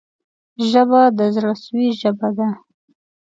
ژبه د زړه سوي ژبه ده